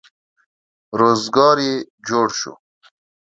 روزګار یې جوړ شو.